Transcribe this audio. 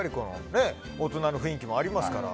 大人の雰囲気もありますから。